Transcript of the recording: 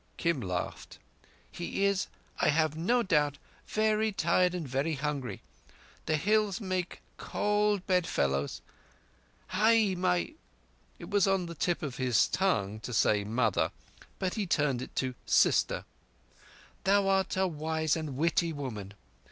Kim laughed. "He is, I have no doubt, very tired and very hungry. The Hills make cold bedfellows. Hai, my"—it was on the tip of his tongue to say Mother, but he turned it to Sister—"thou art a wise and witty woman.